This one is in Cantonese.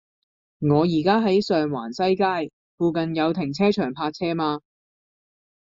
我依家喺上環西街，附近有停車場泊車嗎